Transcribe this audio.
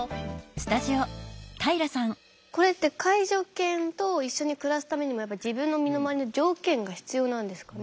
これって介助犬と一緒に暮らすためにもやっぱり自分の身の回りの条件が必要なんですかね？